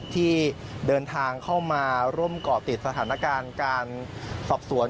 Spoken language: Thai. ที่เดินทางเข้ามาร่วมก่อติดสถานการณ์การสอบสวน